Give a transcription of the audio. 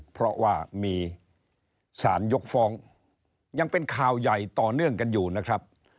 เพราะว่ามีสารยกฟ้องยังเป็นข่าวใหญ่ต่อเนื่องกันอยู่นะครับ